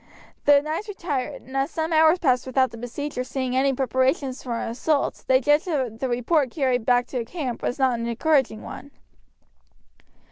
The knights retired; and as some hours passed without the besiegers seeing any preparation for an assault they judged that the report carried back to camp was not an encouraging one.